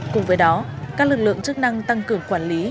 cùng với đó các lực lượng chức năng tăng cường quản lý